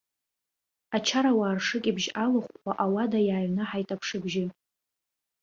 Ачарауаа ршыкьыбжь алыхәхәа ауада иааҩнаҳаит аԥша абжьы.